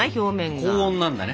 高温なんだね。